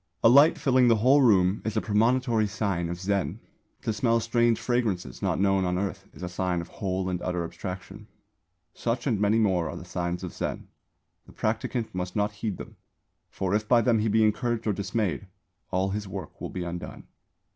A light filling the whole room is a premonitory sign of Zen; to smell strange fragrances not known on earth is a sign of whole and utter Abstraction. Such and many more are the signs of Zen. The practicant must not heed them; for if by them he be encouraged or dismayed, all his work will be undone.